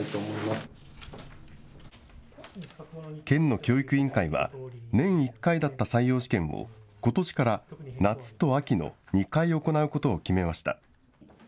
県の教育委員会は、年１回だった採用試験を、ことしから、夏と秋の２回行うことを決めました。